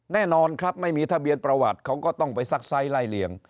แน่นอนครับไม่มีทะเบียนประวัติเขาก็ต้องไปซักไซส์ไล่เลี่ยง